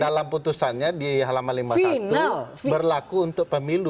dalam putusannya di halaman lima puluh satu berlaku untuk pemilu dua ribu sembilan belas